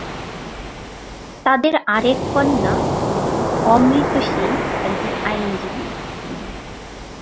তাদের আরেক কন্যা অমৃত সিং একজন আইনজীবী।